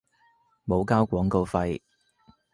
冇交廣告費